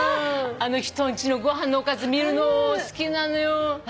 人んちのご飯のおかず見るの好きなのよ。